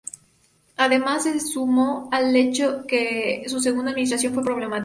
Además, se sumó el hecho que su segunda administración fue problemática.